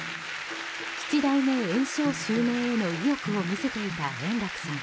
七代目圓生襲名への意欲を見せていた円楽さん。